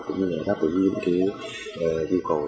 cũng như là đáp ứng nhu cầu